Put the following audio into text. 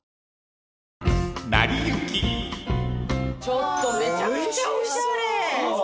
ちょっとめちゃくちゃおしゃれ。